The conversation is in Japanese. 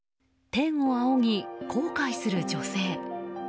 天を仰ぎ、後悔する女性。